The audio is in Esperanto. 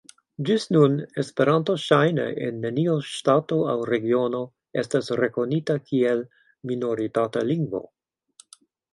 Ĝis nun Esperanto ŝajne en neniu ŝtato aŭ regiono estas rekonita kiel minoritata lingvo.